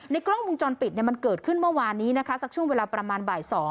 กล้องวงจรปิดมันเกิดขึ้นเมื่อวานนี้นะคะสักช่วงเวลาประมาณบ่าย๒